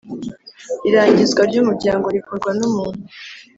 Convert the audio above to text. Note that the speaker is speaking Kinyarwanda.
Irangizwa ry umuryango rikorwa n umuntu